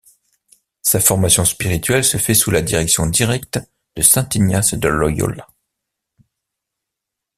Sa formation spirituelle se fait sous la direction directe de saint Ignace de Loyola.